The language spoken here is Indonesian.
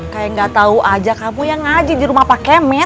kayak gak tau aja kamu yang ngaji di rumah pak kemen